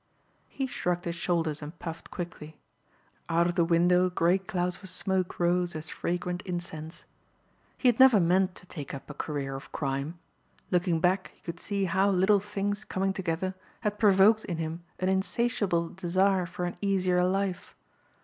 He shrugged his shoulders and puffed quickly. Out of the window grey clouds of smoke rose as fragrant incense. He had never meant to take up a career of crime. Looking back he could see how little things coming together had provoked in him an insatiable desire for an easier life.